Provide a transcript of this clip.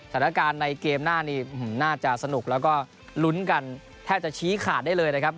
ในเกมหน้านี้น่าจะสนุกแล้วก็ลุ้นกันแทบจะชี้ขาดได้เลยนะครับ